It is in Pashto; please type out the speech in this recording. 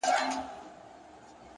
صادق چلند ریښتینې ملګرتیا زېږوي!